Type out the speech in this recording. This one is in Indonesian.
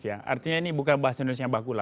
saya ini bukan bahasa indonesia yang bakulah